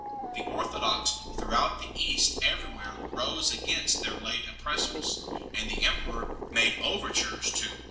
The orthodox throughout the East everywhere rose against their late oppressors, and the 1 Evagrius in.